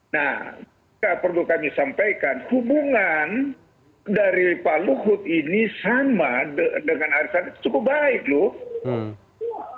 nah perlu kami sampaikan hubungan dari pak luhut ini sama dengan arisan cukup baik loh